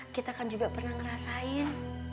kita kan juga pernah ngerasain